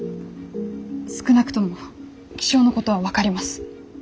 少なくとも気象のことは分かります。